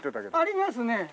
ありますね。